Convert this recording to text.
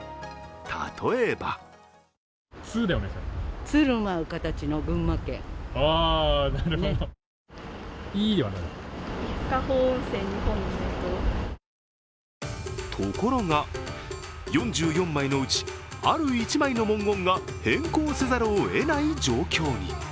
例えばところが、４４枚のうち、ある１枚の文言が変更せざるをえない状況に。